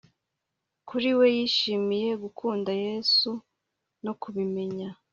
Kuri we yishimiye gukunda Yesu no kubimenya